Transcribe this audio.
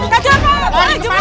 kajian pak maling jemuran